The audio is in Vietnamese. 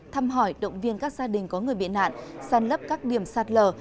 thăm hỏi động viên các gia đình có người bị nạn sàn lấp các điểm sạt lở